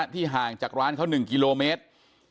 ห่างจากร้านเขา๑กิโลเมตร